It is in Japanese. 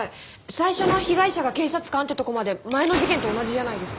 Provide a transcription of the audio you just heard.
最初の被害者が警察官ってとこまで前の事件と同じじゃないですか。